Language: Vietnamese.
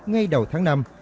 ngay đầu tháng năm